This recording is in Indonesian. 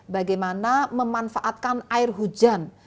bagaimana memanfaatkan air hujan